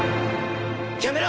やめろ！